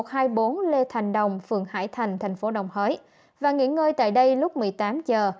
ghi nà một trăm hai mươi bốn lê thành đồng phường hải thành thành phố đồng hới và nghỉ ngơi tại đây lúc một mươi tám h